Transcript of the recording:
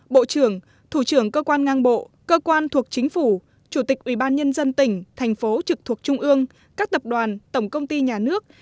bộ trưởng thủ trưởng cơ quan ngang bộ cơ quan thuộc chính phủ chủ tịch ubnd tỉnh thành phố trực thuộc trung ương các tập đoàn tổng công ty nhà nước